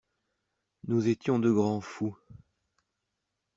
Nous étions de grands fous.